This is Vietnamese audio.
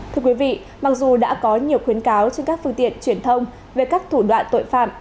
thưa quý vị mặc dù đã có nhiều khuyến cáo trên các phương tiện truyền thông về các thủ đoạn tội phạm